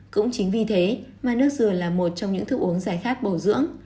cũng chính vì thế mà nước dừa là một trong những thức uống giải khát bổ dưỡng